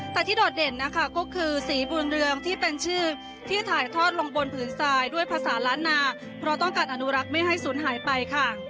แต่ที่โดดเด่นนะคะก็คือสีบุญเรืองที่เป็นชื่อที่ถ่ายทอดลงบนผืนทรายด้วยภาษาล้านนาเพราะต้องการอนุรักษ์ไม่ให้ศูนย์หายไปค่ะ